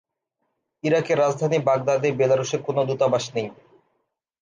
ইরাকের রাজধানী বাগদাদ-এ বেলারুশের কোন দূতাবাস নেই।